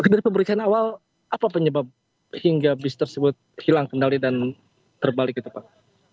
dari pemeriksaan awal apa penyebab hingga bis tersebut hilang kendali dan terbalik itu pak